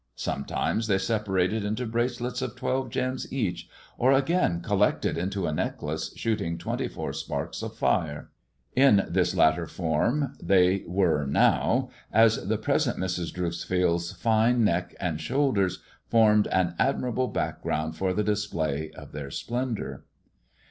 Sometimes they separated into bracelets d twelve gems each, or again collected into a necklace shooting twenty four sparks of fire. In this latter form they were now, as the present Mrs. Dreuxfield's fine neck and shoulders formed an admirable background for the display of their splendour.